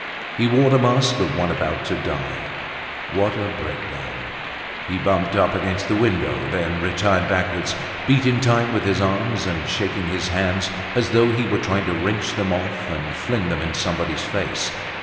He wore the mask of one about to die. What a breakdown! He bumped up against the window, then retired backwards, beating time with his arms and shaking his hands as though he were trying to wrench them off and fling them in somebody's face.